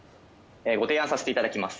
ご提案させていただきます。